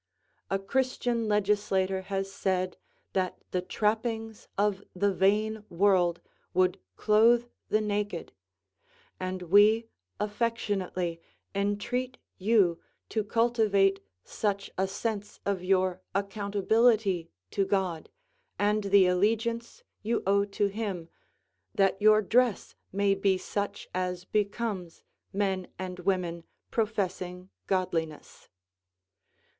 A Christian legislator has said that the trappings of the vain world would clothe the naked, and we affectionately entreat you to cultivate such a sense of your accountability to God, and the allegiance you owe to Him, that your dress may be such as becomes men and women professing godliness.